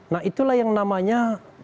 nah itulah yang namanya